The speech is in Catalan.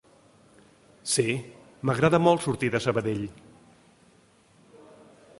Sí, m'agradarà molt sortir de Sabadell.